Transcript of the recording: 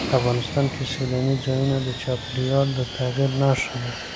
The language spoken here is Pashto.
افغانستان کې سیلانی ځایونه د چاپېریال د تغیر نښه ده.